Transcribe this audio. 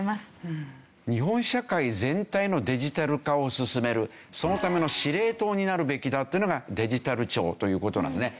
日本社会全体のデジタル化を進めるそのための司令塔になるべきだというのがデジタル庁という事なんですね。